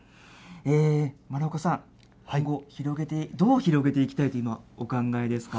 丸岡さん、今後、どう広げていきたいというようなお考えですか。